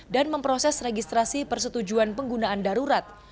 dan memproses registrasi persetujuan penggunaan darurat